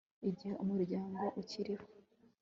igihe umuryango ukiriho